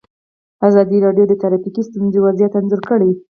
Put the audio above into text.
ازادي راډیو د ټرافیکي ستونزې وضعیت انځور کړی.